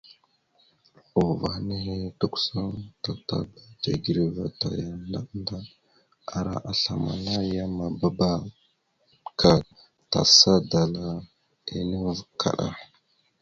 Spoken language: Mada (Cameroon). Uvah nehe tukəsa tatapa tigəreva taya ndaɗ ndaɗ ara aslam ana yam mabaɗaba ka tasa dala enne kaɗa.